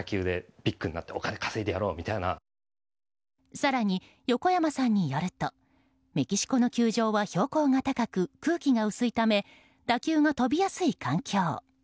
更に横山さんによるとメキシコの球場は標高が高く空気が薄いため打球が飛びやすい環境。